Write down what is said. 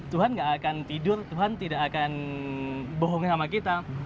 tuhan gak akan tidur tuhan tidak akan bohongnya sama kita